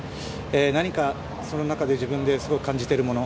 何か、その中で自分で感じているもの